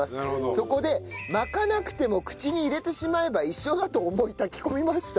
そこで巻かなくても口に入れてしまえば一緒だと思い炊き込みました。